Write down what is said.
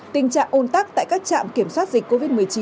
tình trạng ôn tắc tại các trạm kiểm soát dịch covid một mươi chín